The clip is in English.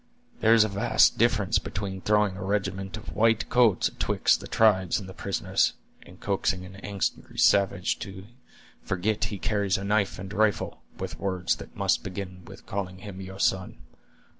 There is a vast difference between throwing a regiment of white coats atwixt the tribes and the prisoners, and coaxing an angry savage to forget he carries a knife and rifle, with words that must begin with calling him your son.